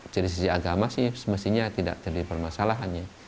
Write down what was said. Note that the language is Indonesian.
jadi sisi agama sih semestinya tidak terdiri bermasalah hanya